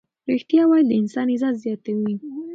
ریښتیا ویل د انسان عزت زیاتوي.